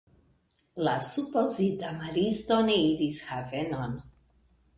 La supozita maristo ne iris havenon.